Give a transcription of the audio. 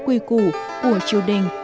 quê củ của triều đình